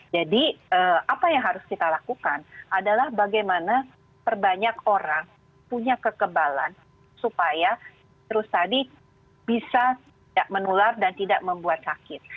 jadi apa yang harus kita lakukan adalah bagaimana terbanyak orang punya kekebalan supaya terus tadi bisa tidak menular dan tidak membuat sakit